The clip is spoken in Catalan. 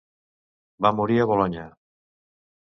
Va morir a Bolonya.